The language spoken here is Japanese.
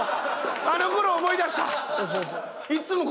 あの頃を思い出した。